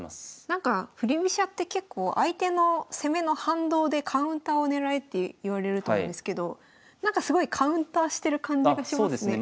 なんか振り飛車って結構相手の攻めの反動でカウンターを狙えっていわれると思うんですけどすごいカウンターしてる感じがしますね。